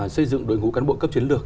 xây dựng đội ngũ cán bộ cấp chiến lược